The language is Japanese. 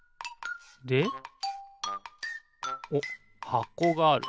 でおっはこがある。